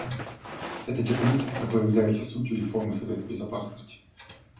Это те принципы, которые являются сутью реформы Совета Безопасности.